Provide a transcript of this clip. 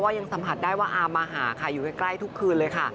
ยังสัมผัสได้ว่าอามมาหาค่ะอยู่ใกล้ทุกคืนเลยค่ะ